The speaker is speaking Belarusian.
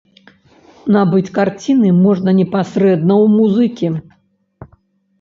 Набыць карціны можна непасрэдна ў музыкі.